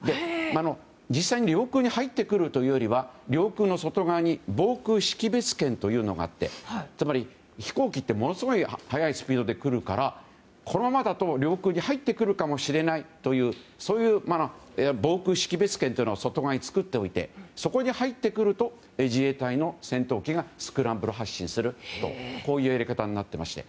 実際に領空に入ってくるというよりは領空の外側に防空識別圏というのがあってつまり、飛行機ってものすごい速いスピードで来るからこのままだと領空に入ってくるかもしれないというそういう防空識別圏というのを外側に作っておいてそこに入ってくると自衛隊の戦闘機がスクランブル発進するというやり方になっていまして。